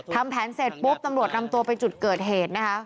ทำแผนเสร็จปุ๊บตำรวจนำตัวไปจุดเกิดเหตุนะคะ